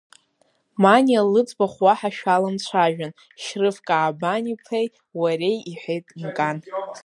Маниа лыӡбахә уаҳа шәаламцәажәан Шьрыф Каабаниԥеи уареи, — иҳәеит Мкан.